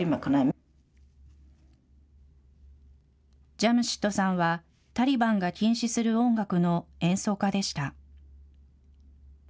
ジャムシッドさんは、タリバンが禁止する音楽の演奏家でした。